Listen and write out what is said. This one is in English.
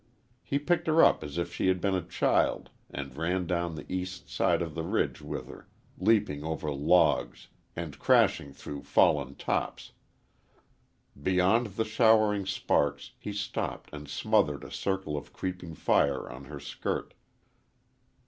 He picked her up as if she had been a child and ran down the east side of the ridge with her, leaping over logs and crashing through fallen tops. Beyond the showering sparks he stopped and smothered a circle of creeping fire on her skirt.